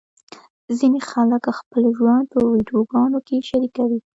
ځینې خلک خپل ژوند په ویډیوګانو کې شریکوي.